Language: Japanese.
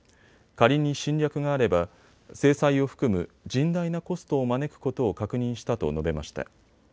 仮に侵略があれば制裁を含む甚大なコストを招くことを確認したと述べました。